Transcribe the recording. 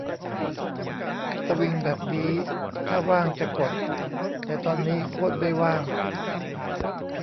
สวิงแบบนี้ถ้าว่างจะกด แต่ตอนนี้โคตรไม่ว่าง